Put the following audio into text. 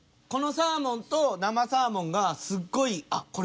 このサーモンと生サーモンがすっごいあっ